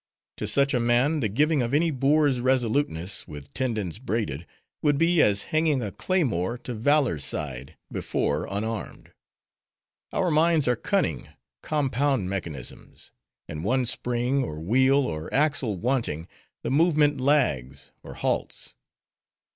To such a man, the giving of any boor's resoluteness, with tendons braided, would be as hanging a claymore to Valor's side, before unarmed. Our minds are cunning, compound mechanisms; and one spring, or wheel, or axle wanting, the movement lags, or halts.